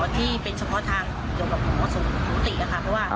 ที่เป็นเฉพาะทางเดี๋ยวกับหมอสูงภูติอ่ะค่ะเพราะว่า